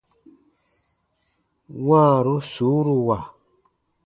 Wãaru suuruwa.